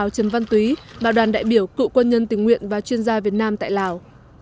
ngoại trưởng văn túy bảo đoàn đại biểu cựu quân nhân tình nguyện và chuyên gia việt nam tại lào